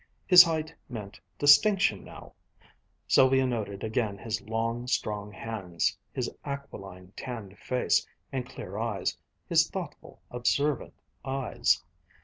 His height meant distinction now. Sylvia noted again his long, strong hands, his aquiline, tanned face and clear eyes, his thoughtful, observant eyes.